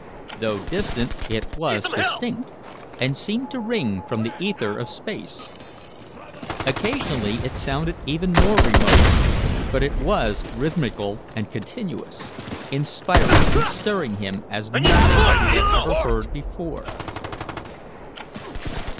Though distant, it was distinct, and seemed to ring from the ether of space. Occasionally it sounded even more remote, but it was rhythmical and continuous, inspiring and stirring him as nothing that he had ever heard before.